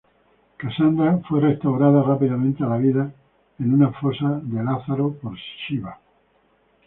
Cassandra fue restaurada rápidamente a la vida en una Fosa de Lázaro por Shiva.